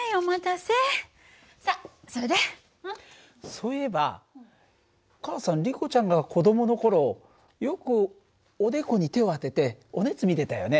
そういえばお母さんリコちゃんが子どもの頃よくおでこに手を当ててお熱見てたよね。